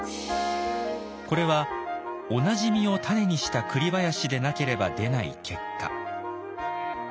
これは同じ実を種にしたクリ林でなければ出ない結果。